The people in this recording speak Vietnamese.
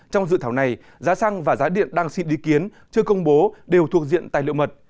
trong dự thảo này giá xăng và giá điện đang xin ý kiến chưa công bố đều thuộc diện tài liệu mật